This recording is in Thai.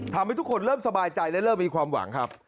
ทำให้ทุกคนเริ่มสบายใจและเริ่มมีความหวังครับ